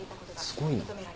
すごいな。